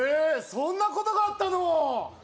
そんなことがあったの